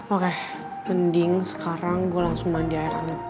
oke mending sekarang gue langsung mandi air anak